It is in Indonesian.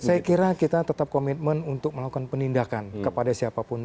saya kira kita tetap komitmen untuk melakukan penindakan kepada siapapun